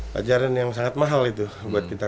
pelajaran yang sangat mahal itu buat kita